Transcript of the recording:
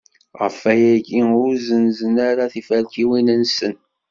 Ɣef wayagi ur zzenzen ara tiferkiwin-nsen.